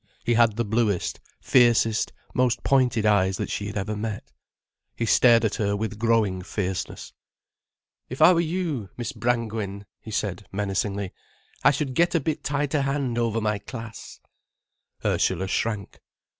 He had the bluest, fiercest, most pointed eyes that she had ever met. He stared at her with growing fierceness. "If I were you, Miss Brangwen," he said, menacingly, "I should get a bit tighter hand over my class." Ursula shrank.